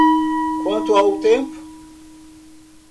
Quanto ao tempo?